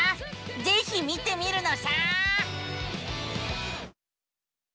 ぜひ見てみるのさ！